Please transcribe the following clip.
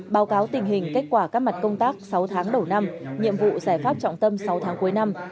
báo cáo tình hình kết quả các mặt công tác sáu tháng đầu năm nhiệm vụ giải pháp trọng tâm sáu tháng cuối năm